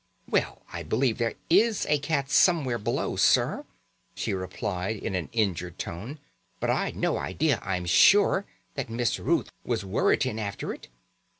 "Well, I believe there is a cat somewhere below, sir," she replied in an injured tone; "but I'd no idea, I'm sure, that Miss Ruth was worritting after it.